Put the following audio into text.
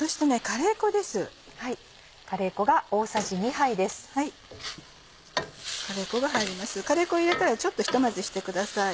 カレー粉を入れたらちょっとひと混ぜしてください。